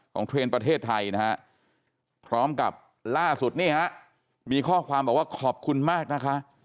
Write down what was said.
เทรนด์ประเทศไทยนะฮะพร้อมกับล่าสุดนี่ฮะมีข้อความบอกว่าขอบคุณมากนะคะ